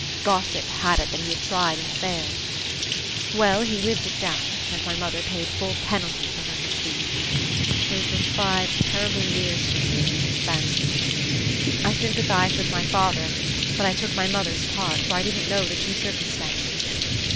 Gossip had it that he had tried and failed. Well, he lived it down and my mother paid full penalty for her misdeed. Those were five terrible years for me, as you can fancy. I sympathized with my father, but I took my mother's part, for I didn't know the true circumstances.